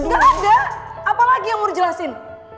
gak ada apa lagi yang mau dijelasin